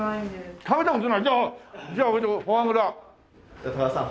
じゃあ高田さん